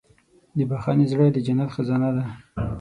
د بښنې زړه د جنت خزانه ده.